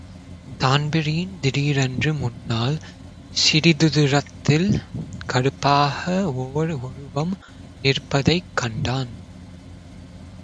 Dan Breen திடீரென்று முன்னால் சிறிதுதுரத்தில் கறுப்பாக ஓர் ஒருவம் நிற்பதைக் கண்டான்.